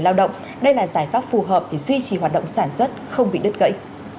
lao động đây là giải pháp phù hợp để duy trì hoạt động sản xuất không bị đứt gãy